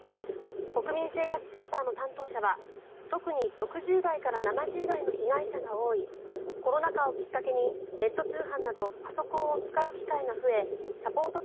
国民生活センターの担当者は特に６０代から７０代の被害者が多いコロナ禍をきっかけにネット通販などパソコンを使う機会が増えサポート